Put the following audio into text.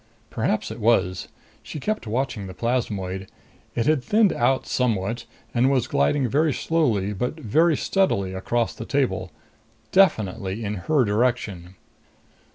Perhaps it was. She kept watching the plasmoid. It had thinned out somewhat and was gliding very slowly but very steadily across the table. Definitely in her direction.